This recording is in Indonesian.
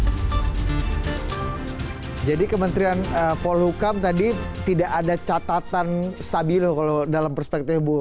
hai jadi kementerian volukam tadi tidak ada catatan stabilo kalau dalam perspektif bu